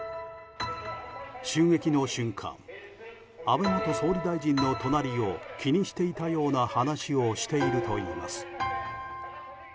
安倍元総理大臣の隣を気にしていたような話をしているといいます。